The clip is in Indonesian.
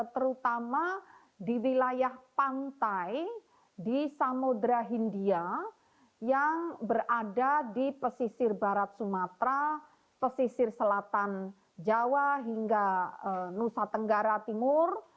terutama di wilayah pantai di samudera hindia yang berada di pesisir barat sumatera pesisir selatan jawa hingga nusa tenggara timur